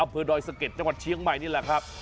อำเภอดอยสะเก็ดจังหวัดเชียงใหม่นี่แหละครับ